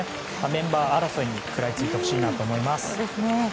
メンバー争いに食らいついてほしいと思います。